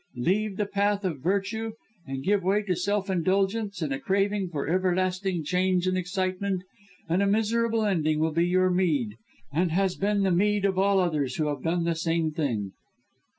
Leave the path of virtue, and give way to self indulgence and a craving for everlasting change and excitement, and a miserable ending will be your mead and has been the mead of all others who have done the same thing."